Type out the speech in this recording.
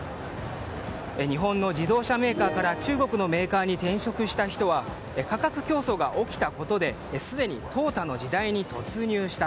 日本の自動車メーカーから中国のメーカーに転職した人は価格競争が起きたことですでに淘汰の時代に突入した。